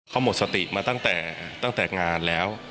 เขาหมดสติมาตั้งแต่งานแล้ว